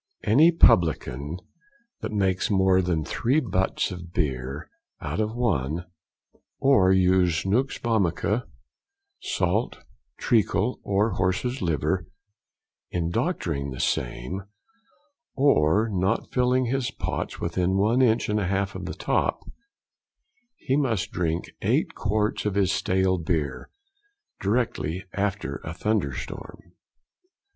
Any Publican that makes more than three butts of beer out of one; or use nux vomica, salt, treacle, or horses' liver in doctoring the same, or not filling his pots within one inch and a half of the top, he must drink eight quarts of his stale beer, directly after a thunderstorm.